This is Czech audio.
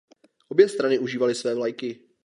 Obě strany užívaly své vlajky.